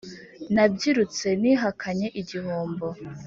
nabyirutse nihakanye igihombo